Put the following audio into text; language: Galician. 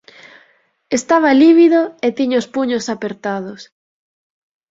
Estaba lívido e tiña os puños apertados.